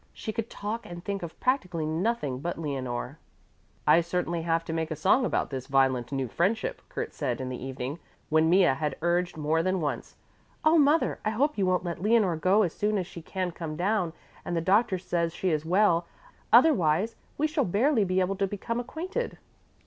She could talk and think of practically nothing but Leonore. "I certainly have to make a song about this violent new friendship," Kurt said in the evening, when Mea had urged more than once, "Oh, mother, I hope you won't let Leonore go as soon as she can come down and the doctor says she is well; otherwise we shall barely be able to become acquainted."